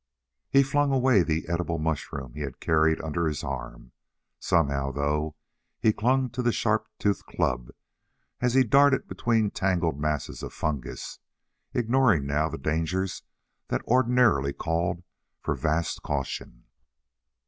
He flung away the edible mushroom he had carried under his arm. Somehow, though, he clung to the sharp toothed club as he darted between tangled masses of fungus, ignoring now the dangers that ordinarily called for vast caution.